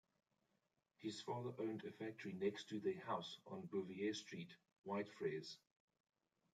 His father owned a factory next to their house on Bouverie street, Whitefriars.